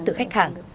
từ khách hàng